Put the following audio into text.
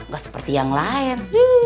gak seperti yang lain